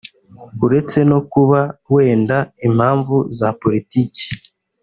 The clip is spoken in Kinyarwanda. uretse no kuba wenda impamvu za politiki